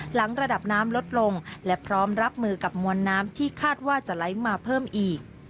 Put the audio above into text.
หลังระดับน้ำลดลงและพร้อมรับมือกับมวลน้ำที่คาดว่าจะไหลมาเพิ่มอีก